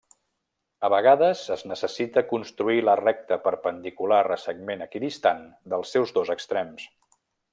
A vegades, es necessita construir la recta perpendicular a segment equidistant dels seus dos extrems.